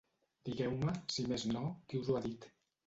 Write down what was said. Digueu-me, si més no, qui us ho ha dit.